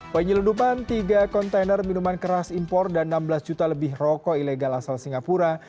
penyelundupan tiga kontainer minuman keras impor dan enam belas juta lebih rokok ilegal asal singapura